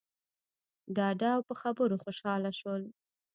ډاډه او په خبرو خوشحاله شول.